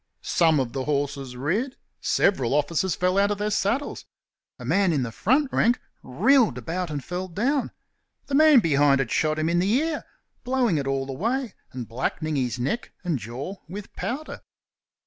Some of the horses reared; several officers fell out of their saddles; a man in the front rank reeled about and fell down; the man behind had shot him in the ear, blowing it all away and blackening his neck and jaw with powder.